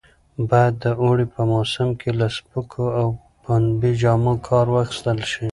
باید د اوړي په موسم کې له سپکو او پنبې جامو کار واخیستل شي.